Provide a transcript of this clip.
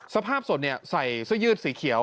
สภาพสดใส่เสื้อยืดสีเขียว